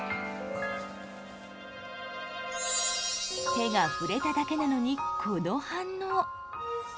手が触れただけなのにこの反応。